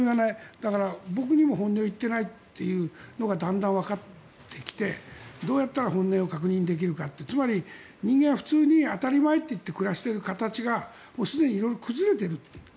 だから、僕にも本音を言っていないのがだんだんわかってきてどうやったら本音を確認できるかつまり人間って当たり前といって暮らしている形がすでに色々と崩れている。